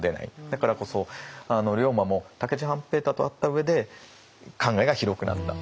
だからこそ龍馬も武市半平太と会った上で考えが広くなった。